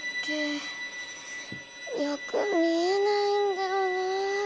よく見えないんだよなあ。